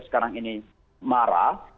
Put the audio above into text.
mereka sekarang ini marah